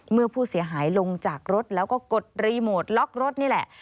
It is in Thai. เมื่อผู้เสียหายลงจากรถแล้วก็กดรีโมทล็อกรถนี่แหละ